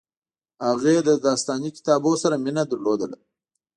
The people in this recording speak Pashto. هغې له داستاني کتابونو سره مینه لرله